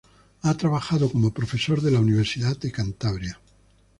Ha trabajado como profesor de la Universidad de Cantabria.